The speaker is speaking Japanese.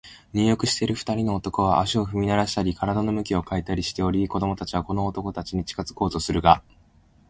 入浴している二人の男は、足を踏みならしたり、身体を向き変えたりしており、子供たちはこの男たちに近づこうとするが、